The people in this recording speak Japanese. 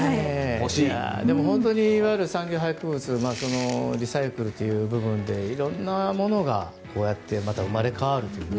でも本当にいわゆる産業廃棄物リサイクルという部分で色んなものがこうやって生まれ変わるというね。